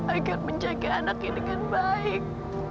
agar menjaga anaknya dengan baik